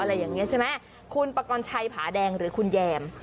อะไรอย่างนี้ใช่ไหมคุณปกรณ์ชัยผาแดงหรือคุณแยม